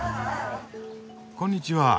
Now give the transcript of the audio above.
こんにちは。